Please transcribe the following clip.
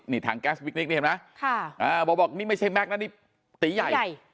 นี่ทางแก๊สพริกนิกนี่เห็นไหมค่ะอ่าบอกบอกนี่ไม่ใช่แม็กน่ะนี่ตีใหญ่